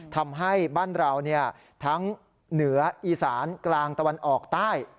ทำให้บ้านเราทั้งเหนืออีสานกลางตะวันออกใต้